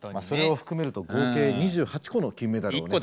それを含めると合計２８個の金メダルを。